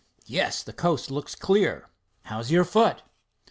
"Yes, the coast looks clear." "How's your foot?"